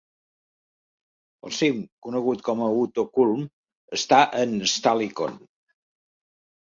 El cim, conegut com a Uto Kulm, està en Stallikon.